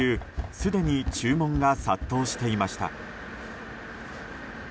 すでに注文が殺到していました。